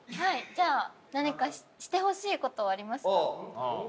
じゃあ何かしてほしい事はありますか？